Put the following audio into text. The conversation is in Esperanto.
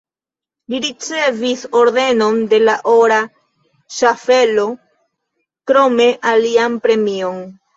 Li ricevis Ordenon de la Ora Ŝaffelo, krome alian premion.